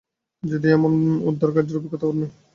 যদিও, এমন উদ্ধারকার্যের অভিজ্ঞতা ওর নেই।